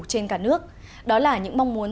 cho cả nước đó là những mong muốn